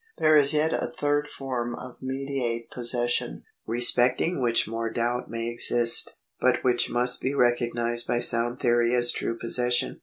^ There is yet a third form of mediate possession, respecting which more doubt may exist, but which must be recognised by sound theory as true possession.